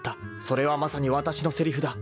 ［それはまさにわたしのせりふだ］